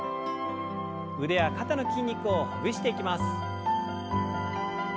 腕や肩の筋肉をほぐしていきます。